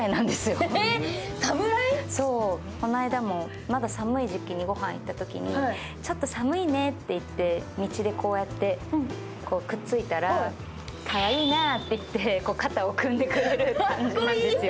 こないだも、まだ寒い時期にごはん行ったときに、「ちょっと寒いね」って言って道でこうやってくっついたら、かわいいなって言って肩を組んでくれる感じなんですよ。